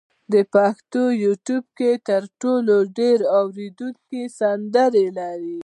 پښتو یوټیوب کې تر ټولو ډېر اورېدونکي سندرې لري.